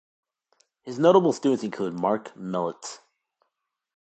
His notable students include Marc Mellits.